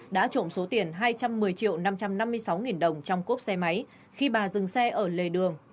đã trộm số tiền hai trăm một mươi triệu năm trăm năm mươi sáu nghìn đồng trong cốp xe máy khi bà dừng xe ở lề đường